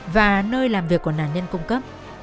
và nơi làm việc của nạn nhân cung cấp